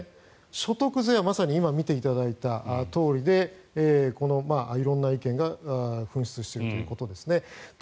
所得税はまさに今見ていただいたとおりで色んな意見が噴出しているということですね。